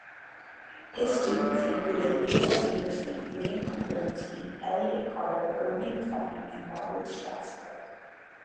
His students included Leroy Anderson, Leonard Bernstein, Elliott Carter, Irving Fine, and Robert Strassburg.